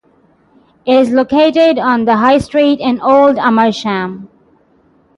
It is located on the High Street in Old Amersham.